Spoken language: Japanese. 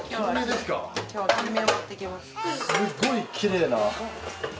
すごいきれいな。